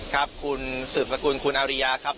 ครับคุณสืบสกุลคุณอาริยาครับ